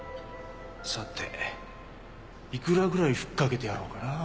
さていくらぐらい吹っかけてやろうかなあ。